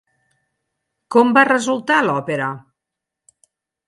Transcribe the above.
Com va resultar l'òpera?